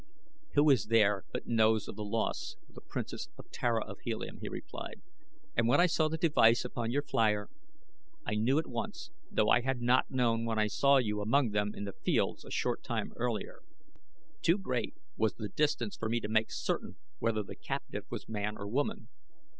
"Who is there but knows of the loss of the Princess Tara of Helium?" he replied. "And when I saw the device upon your flier I knew at once, though I had not known when I saw you among them in the fields a short time earlier. Too great was the distance for me to make certain whether the captive was man or woman.